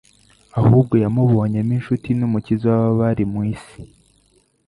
ahubwo yamubonyemo inshuti n'Umukiza w'abari mu isi.